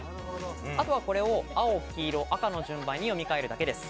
あとはこれを青、黄色赤の順番に読み替えるだけです。